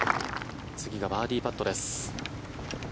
次がバーディーパットです。